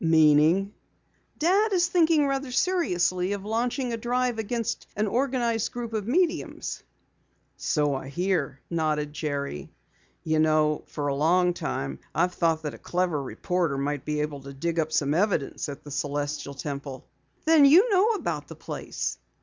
"Meaning ?" "Dad is thinking rather seriously of launching a drive against an organized group of mediums." "So I hear," nodded Jerry. "You know, for a long while I've thought that a clever reporter might be able to dig up some evidence at the Celestial Temple." "Then you know about the place?"